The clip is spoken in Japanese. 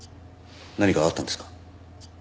何かあったんですか？